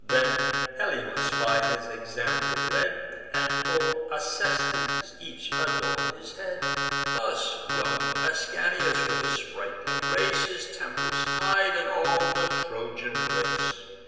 Then Helymus, by his example led, And old Acestes, each adorn'd his head; Thus young Ascanius, with a sprightly grace, His temples tied, and all the Trojan race.